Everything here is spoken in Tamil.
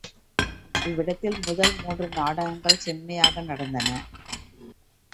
இவ்விடத்தில் முதல் மூன்று நாடகங்கள் செம்மையாக நடந்தன.